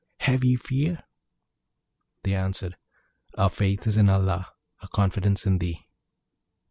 have ye fear?' They answered, 'Our faith is in Allah, our confidence in thee.'